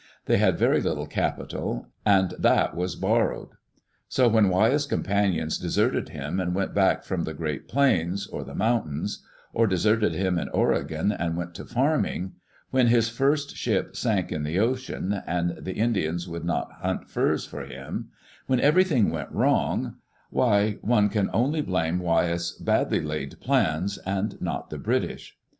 They had very little capital, and that was borrowed. So when Wyeth's companions deserted him and went back from the great plains, or the mountains; or deserted him in Oregon and went to farming; when his first ship sank in the ocean, and the Indians would not hunt furs for him ; when every thing went wrong — why, one can only blame Wyeth's badly laid plans and not the British.